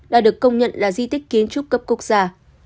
đã được công nhận là di tích kiến trúc cấp quốc gia